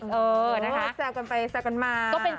แสดกกันไปแสดกกันมา